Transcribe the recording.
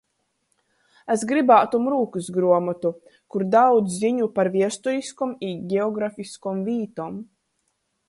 Es grybātum rūkysgruomotu, kur daudz ziņu par viesturyskom i geografiskom vītom.